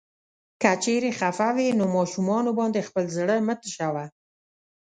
که چيرې خفه وې نو ماشومانو باندې خپل زړه مه تشوه.